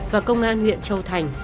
và công an huyện châu thành